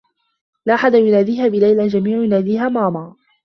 لا أحد يناديها بليلى. الجميع يناديها "ماما."